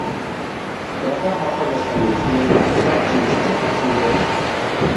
ۋەقە ئاخىرلاشقاندىن كېيىن، ئەتراپ جىمجىتلىققا چۆمدى.